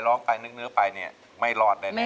ร้องเข้าให้เร็ว